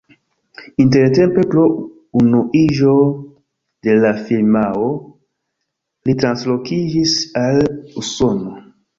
Intertempe pro unuiĝo de la firmao li translokiĝis al Usono.